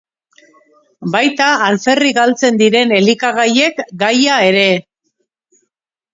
Baita alferrik galtzen diren elikagaiek gaia ere.